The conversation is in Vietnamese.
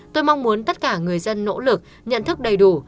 tôi mong muốn tất cả người dân nỗ lực nhận thức đầy đủ